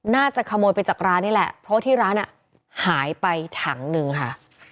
น่าจะขโมยไปจากร้านนี่แหละเพราะว่าที่ร้านหายไปถังหนึ่งค่ะ